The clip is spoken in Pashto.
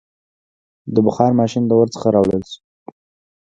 • د بخار ماشین د اور څخه راوړل شو.